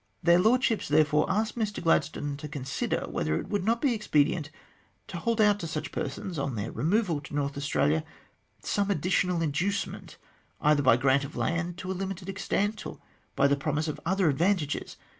Their Lordships therefore asked Mr Gladstone to consider whether it would not be expedient to hold out to such persons, on their removal to North Australia, some additional inducement, either by grant of land to a limited extent, or by the promise of other advantages.